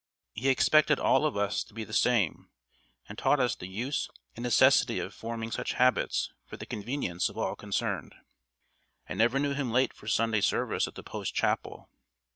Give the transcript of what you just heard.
He expected all of us to be the same, and taught us the use and necessity of forming such habits for the convenience of all concerned. I never knew him late for Sunday service at the Post Chapel.